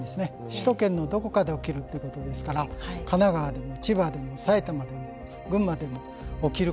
首都圏のどこかで起きるということですから神奈川でも千葉でも埼玉でも群馬でも起きる可能性があるんだ。